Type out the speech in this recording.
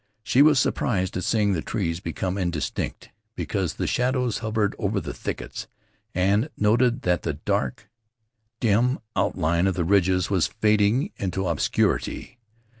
She was surprised at seeing the trees become indistinct; because the shadows hovered over the thickets, and noted that the dark, dim outline of the ridges was fading into obscurity.